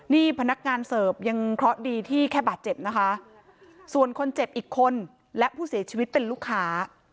นี่พนักงานเสิร์ฟยังเคราะห์ดีที่แค่บาดเจ็บนะคะส่วนคนเจ็บอีกคนและผู้เสียชีวิตเป็นลูกค้า